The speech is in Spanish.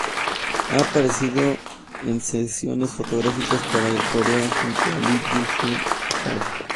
Ha aparecido en sesiones fotográficas para "Elle Korea" junto a Lee Jun-ho.